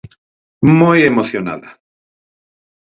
Moi emocionada.